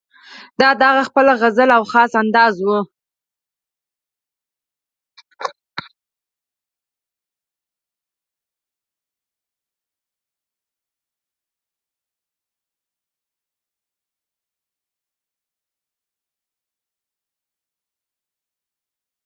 احمد په سارا ښه د زړه اور سوړ کړ.